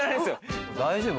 大丈夫。